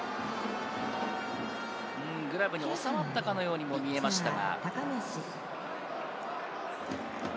グラブに収まったかのようにも見えましたが。